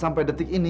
sampai detik ini